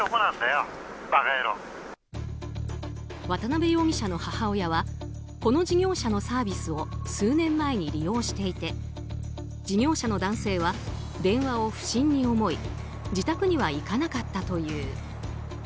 渡辺容疑者の母親はこの事業者のサービスを数年前に利用していて事業者の男性は電話を不審に思い自宅には行かなかったという。